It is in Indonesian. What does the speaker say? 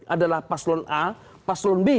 adalah paslon a paslon b